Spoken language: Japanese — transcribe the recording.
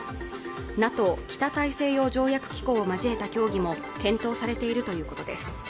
ＮＡＴＯ北大西洋条約機構を交えた協議も検討されているということです